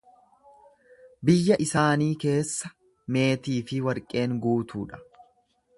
Biyya isaanii keessa meetii fi warqeen guutuu dha.